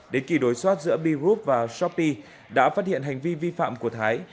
đến kỳ đối soát giữa b group và shopee đã phát hiện hành vi vi phạm của thái